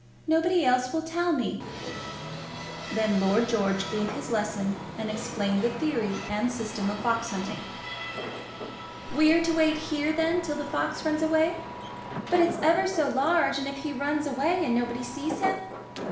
Nobody else will tell me." Then Lord George gave his lesson, and explained the theory and system of fox hunting. "We're to wait here, then, till the fox runs away? But it's ever so large, and if he runs away, and nobody sees him?